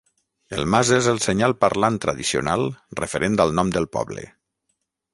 El mas és el senyal parlant tradicional referent al nom del poble.